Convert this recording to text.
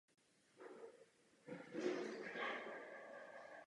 Nechystáme se poskytovat půjčky, my nabízíme granty.